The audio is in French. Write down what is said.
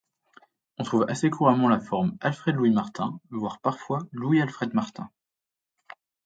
On trouve assez couramment la forme Alfred-Louis Martin, voire parfois Louis Alfred Martin.